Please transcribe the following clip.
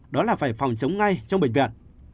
đó là phải phòng chống ngay trong bệnh viện